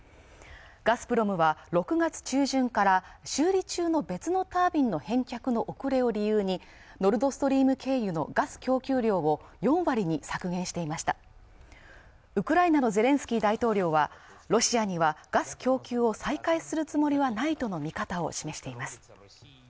ガスプロムは６月中旬から修理中の別のタービンの返却の遅れを理由にノルドストリーム経由のガス供給量を４割に削減していましたウクライナのゼレンスキー大統領はロシアにはガス供給を再開するつもりはないとの見方を示しています